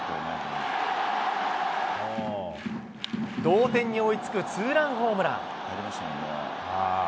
同点に追いつくツーランホームラン。